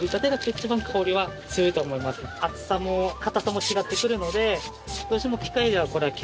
厚さも硬さも違ってくるので。